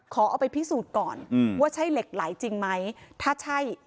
ขอเอาไปพิสูจน์ก่อนว่าใช่เหล็กไหลจริงไหมถ้าใช่